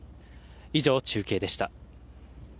以上、中継でした。